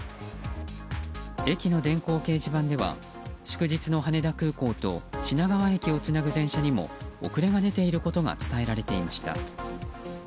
駅の電光掲示板では祝日の羽田空港と品川駅をつなぐ電車にも遅れが出ていることが伝えられていました。